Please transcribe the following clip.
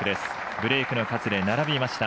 ブレークの数で並びました。